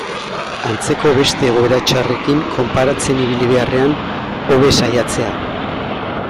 Antzeko beste egoera txarrekin konparatzen ibili beharrean, hobe saiatzea.